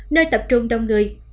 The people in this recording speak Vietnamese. nơi tập trung đông người